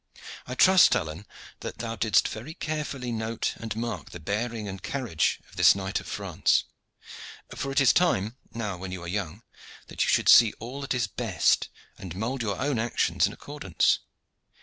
I trust, Alleyne, that thou didst very carefully note and mark the bearing and carriage of this knight of France; for it is time, now when you are young, that you should see all that is best, and mould your own actions in accordance.